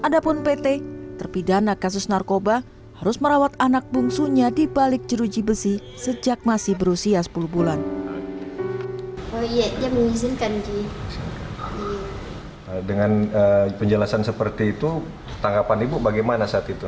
dan terpidana kasus narkoba harus merawat anak bungsunya di balik jeruji besi sejak masih berusia sepuluh bulan